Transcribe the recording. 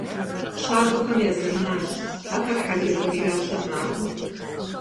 ЩакӀуэхэм я зэманщ, ахэр хьэжэбажащэ макӀуэ.